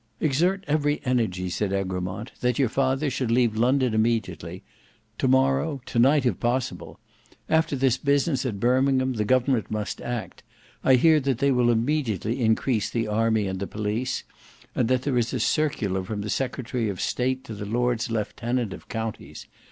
"Exert every energy," said Egremont, "that your father should leave London, immediately; to morrow, to night if possible. After this business at Birmingham, the government must act. I hear that they will immediately increase the army and the police; and that there is a circular from the Secretary of State to the Lords Lieutenant of counties.